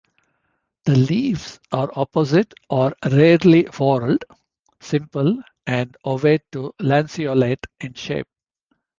The leaves are opposite or rarely whorled, simple and ovate to lanceolate in shape.